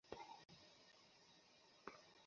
চল না, কিছু পয়সা খরচ হোক।